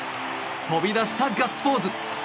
飛び出したガッツポーズ！